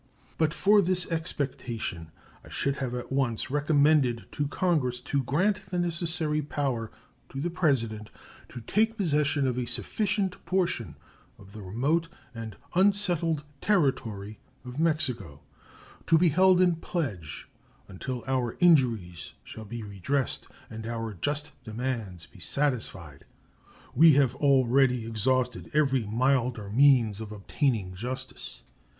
But for this expectation I should at once have recommended to Congress to grant the necessary power to the President to take possession of a sufficient portion of the remote and unsettled territory of Mexico, to be held in pledge until our injuries shall be redressed and our just demands be satisfied. We have already exhausted every milder means of obtaining justice.